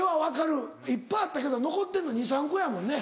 いっぱいあったけど残ってんの２３個やもんね。